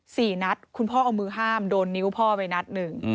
สี่นัดคุณพ่อเอามือห้ามโดนนิ้วพ่อไปนัดหนึ่ง